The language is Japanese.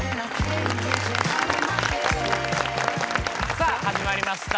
さあ始まりました